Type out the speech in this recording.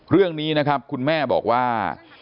เรื่องนี้นะครับคุณแม่บอกว่า